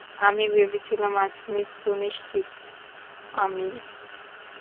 আমি ভেবেছিলাম, আজ মৃত্যু নিশ্চিত, আমির।